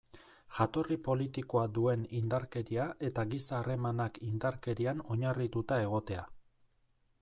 Jatorri politikoa duen indarkeria eta giza harremanak indarkerian oinarrituta egotea.